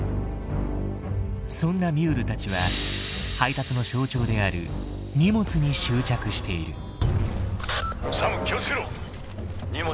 そんなミュールたちは配達の象徴である荷物に執着している。